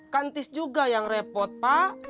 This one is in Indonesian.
kantis juga yang repot pak